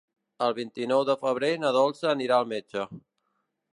El vint-i-nou de febrer na Dolça anirà al metge.